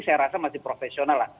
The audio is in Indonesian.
saya rasa masih profesional lah